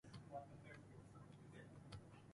埼玉県朝霞市